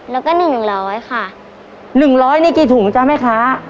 แล้วก็หนึ่งหนึ่งร้อยค่ะหนึ่งร้อยนี่กี่ถุงจ๊ะแม่ค้า